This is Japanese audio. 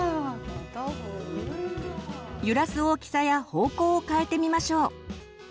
揺らす大きさや方向を変えてみましょう。